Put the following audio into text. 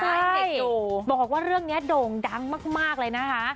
ใช่เด็กบอกว่าเรื่องนี้โด่งดังมากเลยนะคะ